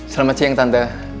selamat siang tante